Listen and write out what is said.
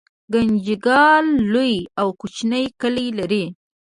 ګنجګل لوی او کوچني کلي لري